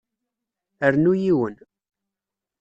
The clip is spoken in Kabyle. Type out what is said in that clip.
Rnu yiwen.